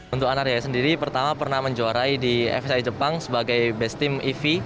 untuk anarya sendiri pertama pernah menjuarai di fsi jepang sebagai best team ev